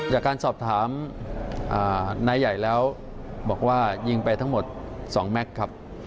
จากการสอบถามนายใหญ่แล้วบอกว่ายิงไปทั้งหมด๒แม็กซ์ครับ